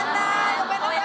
ごめんなさい。